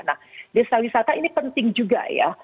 nah desa wisata ini penting juga ya